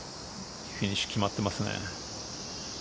フィニッシュ決まってますね。